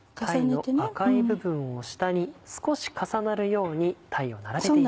鯛の赤い部分を下に少し重なるように鯛を並べています。